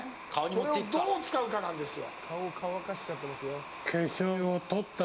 これをどう使うかですよ。